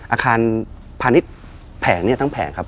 อาคารพาณิชย์แผงเนี่ยทั้งแผงครับ